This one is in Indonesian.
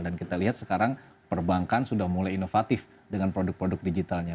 dan kita lihat sekarang perbankan sudah mulai inovatif dengan produk produk digitalnya